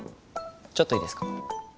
ちょっといいですか？